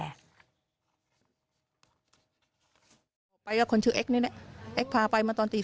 ไปกับคนชื่อเอ็กซ์นี่เนี่ยเอ็กซ์พาไปมาตอนตี๒